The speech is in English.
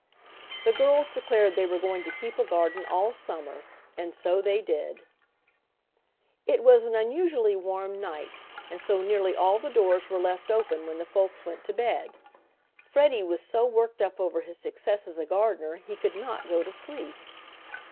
The girls declared they were going to keep a garden all summer, and so they did. It was an unusually warm night, and so nearly all the doors were left open when the folks went to bed. Freddie was so worked up over his success as a gardener he could not go to sleep.